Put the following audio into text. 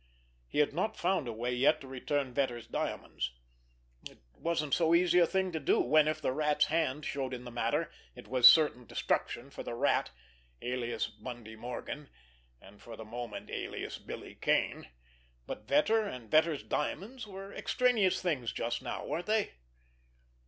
He had not found a way yet to return Vetter's diamonds. It wasn't so easy a thing to do when, if the Rat's hand showed in the matter, it was certain destruction for the Rat, alias Bundy Morgan, and, for the moment, alias Billy Kane! But Vetter and Vetter's diamonds were extraneous things just now, weren't they?